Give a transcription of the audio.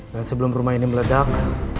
dan sebelum rumah ini meledak